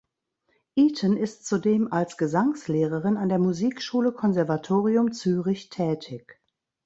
Iten ist zudem als Gesangslehrerin an der Musikschule Konservatorium Zürich tätig.